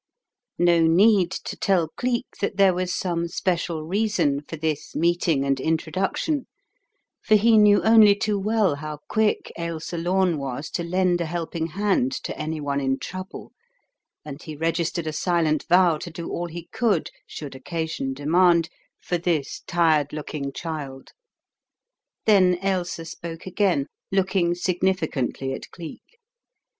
No need to tell Geek that there was some special reason for this meeting and introduction, for he knew only too well how quick Ailsa Lome was to lend a helping hand to any one in trouble, and he registered a silent vow to do all he could, should occasion demand, for this tired looking child. Then Ailsa spoke again, looking significantly at Cleek.